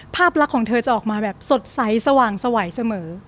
ภาพลักษณ์ของเธอจะออกมาแบบสดใสสว่างสวัยเสมอ